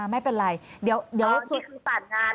ไม่เป็นไรเดี๋ยวนี่คือสรรค์งาน